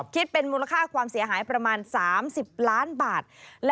คิดเป็นมูลค่าความเสียหายประมาณ๓๐ล้านบาท